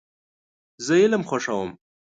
زه علم خوښوم .